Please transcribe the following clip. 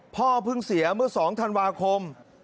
พ่อเพิ่งเสียเมื่อ๒ธันวาคม